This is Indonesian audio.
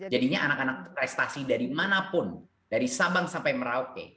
jadinya anak anak prestasi dari manapun dari sabang sampai merauke